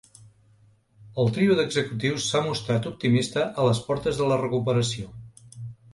El trio d’executius s’ha mostrat optimista a les portes de la recuperació.